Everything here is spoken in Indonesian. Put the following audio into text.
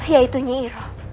yaitu nyai iroh